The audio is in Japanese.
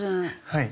はい。